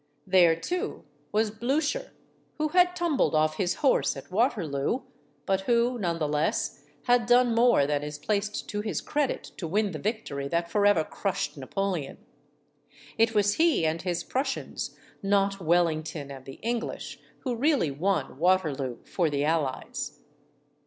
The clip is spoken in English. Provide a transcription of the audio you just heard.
There, too, was Blucher, who had tumbled off his horse at Water loo, but who, none the less, had done more than is placed to his credit to win the victory that forever crushed Napoleon. It was he and his Prussians, not Wellington and the English, who really won Waterloo for the Allies.